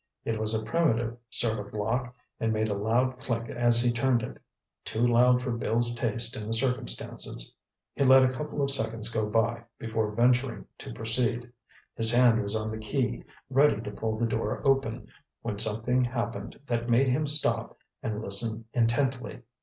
It was a primitive sort of lock and made a loud click as he turned it—too loud for Bill's taste in the circumstances. He let a couple of seconds go by before venturing to proceed. His hand was on the key, ready to pull the door open, when something happened that made him stop and listen intently.